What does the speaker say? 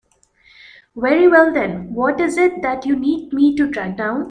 Very well then, what is it that you need me to track down?